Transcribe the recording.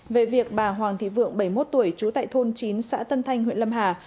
về việc bà hoàng thị vượng bảy mươi một tuổi trú tại thôn chín xã tân thanh huyện lâm hà